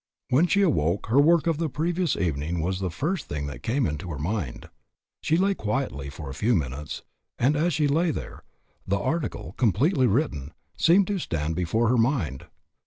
When she awoke her work of the previous evening was the first thing that came into her mind. She lay quietly for a few minutes, and as she lay there, the article, completely written, seemed to stand before her mind.